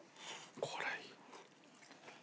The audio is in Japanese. これいい。